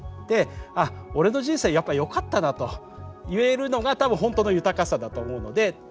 であ俺の人生はやっぱりよかったなと言えるのが多分本当の豊かさだと思うので。